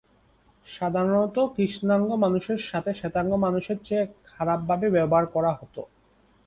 সাধারণত কৃষ্ণাঙ্গ মানুষের সাথে শ্বেতাঙ্গ মানুষের চেয়ে খারাপ ভাবে ব্যবহার করা হত।